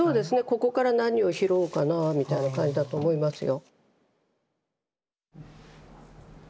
「ここから何を拾うかな」みたいな感じだと思いますよ。